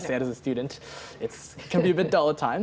saya berkata sebagai pelajar bisa terjadi banyak kali